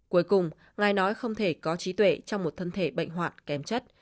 cuối cùng ngài nói không thể có trí tuệ trong một thân thể bệnh hoạt kém chất